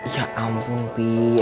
ya ampun pih